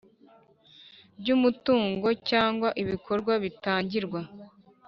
ry umutungo cyangwa ibikorwa bitangirwa